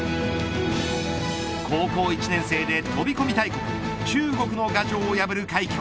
高校１年生で飛込大国中国の牙城を破る快挙。